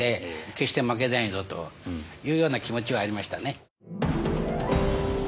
決して負けないぞというような気持ちはありましたね。